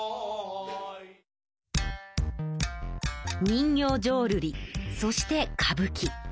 人形浄瑠璃そして歌舞伎。